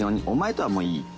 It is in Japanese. お前とはもういい。